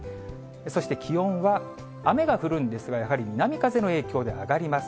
そして気温は、雨が降るんですが、やはり南風の影響で上がります。